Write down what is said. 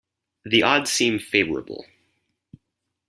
The odds seem favourable.